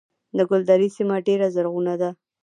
د ګلدرې سیمه ډیره زرغونه ده